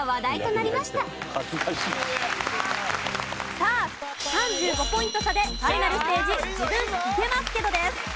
さあ３５ポイント差でファイナルステージ自分イケますけど！です。